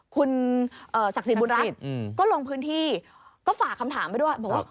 คุณศักดิ์สิทธิบุญรัฐก็ลงพื้นที่ก็ฝากคำถามไปด้วยบอกว่า